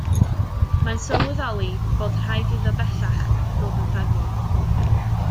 Mae'n sylweddoli bod rhaid iddo bellach ddod yn ffermwr.